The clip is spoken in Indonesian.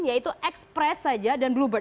yaitu express saja dan bluebird